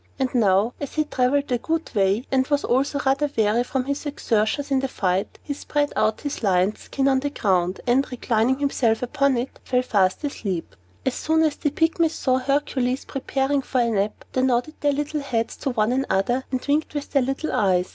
And now, as he had traveled a good way, and was also rather weary with his exertions in the fight, he spread out his lion's skin on the ground, and, reclining himself upon it, fell fast asleep. As soon as the Pygmies saw Hercules preparing for a nap, they nodded their little heads at one another, and winked with their little eyes.